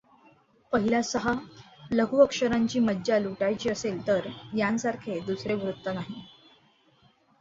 पहिल्या सहा लघु अक्षरांची मजा लुटायची असेल तर यासारखे दुसरे वृत्त नाही.